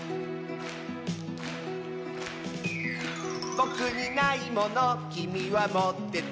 「ぼくにないものきみはもってて」